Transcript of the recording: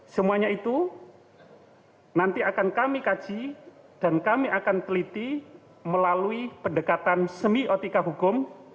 semuanya itu nanti akan kami kaji dan kami akan teliti melalui pendekatan semi otika hukum